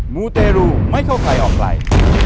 มูเตรูไม่เข้าใครออกใคร